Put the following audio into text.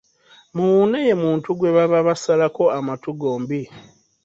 Muwune ye muntu gwe baba basalako amatu gombi.